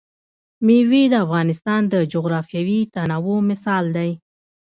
مېوې د افغانستان د جغرافیوي تنوع مثال دی.